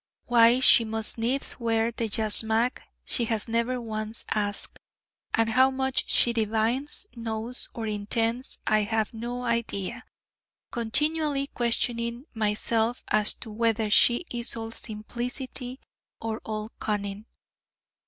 Why she must needs wear the yashmak she has never once asked; and how much she divines, knows, or intends, I have no idea, continually questioning myself as to whether she is all simplicity, or all cunning.